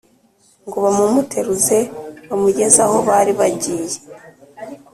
ngo bamumuteruze bamugeze aho bari bagiye